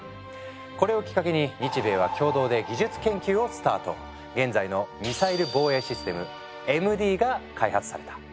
これをきっかけに現在のミサイル防衛システム「ＭＤ」が開発された。